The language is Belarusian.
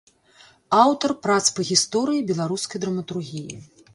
Аўтар прац па гісторыі беларускай драматургіі.